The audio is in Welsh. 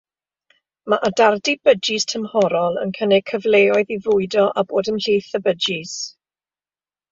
Mae adardy byjis tymhorol yn cynnig cyfleoedd i fwydo a bod ymhlith y byjis.